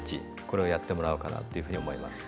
これをやってもらおうかなっていうふうに思います。